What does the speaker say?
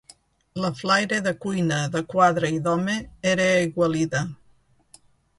La flaire de cuina, de quadra i d'home, era aigualida